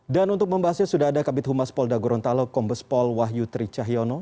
dan untuk membahasnya sudah ada kabit humas polda gorontalo kombes pol wahyu tricahiono